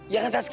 ya kan saski